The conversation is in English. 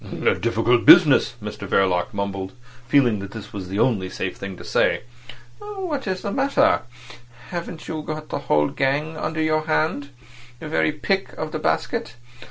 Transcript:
"A difficult business," Mr Verloc mumbled, feeling that this was the only safe thing to say. "What is the matter? Haven't you the whole gang under your hand? The very pick of the basket?